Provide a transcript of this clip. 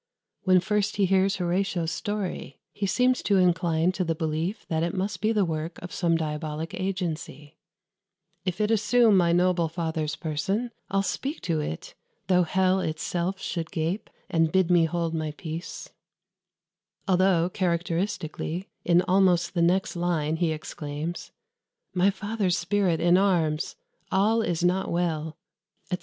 When first he hears Horatio's story, he seems to incline to the belief that it must be the work of some diabolic agency: "If it assume my noble father's person, I'll speak to it, though hell itself should gape, And bid me hold my peace;" although, characteristically, in almost the next line he exclaims "My father's spirit in arms! All is not well," etc.